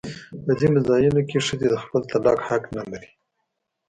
په ځینو ځایونو کې ښځې د خپل طلاق حق نه لري.